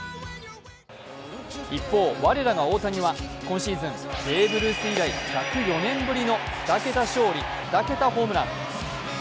一方、我らが大谷は、今シーズンベーブ・ルース以来１０４年ぶりの２桁勝利・２桁ホームラン。